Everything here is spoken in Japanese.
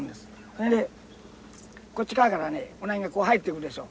それでこっち側からねウナギがこう入ってくるでしょ？